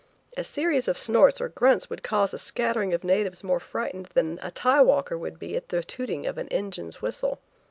A series of snorts or grunts would cause a scattering of natives more frightened than a tie walker would be at the tooting of an engine's whistle.